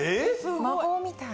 魔法みたい。